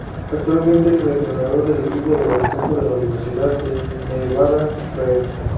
Actualmente es el entrenador del equipo de baloncesto de la Universidad de Nevada, Reno.